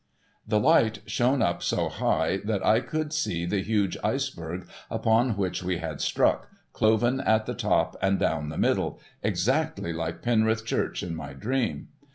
The light shone up so high that I could see the huge Iceberg upon which we had struck, cloven at the top and down the middle, exactly like Penrith Church in my dream.